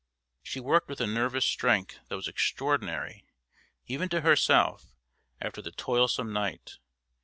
She worked with a nervous strength that was extraordinary, even to herself, after the toilsome night.